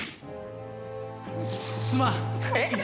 すすまん！